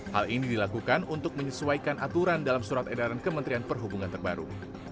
hal ini dilakukan untuk menyesuaikan aturan dalam surat edaran kementerian perhubungan terbaru